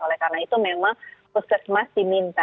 oleh karena itu memang puskesmas diminta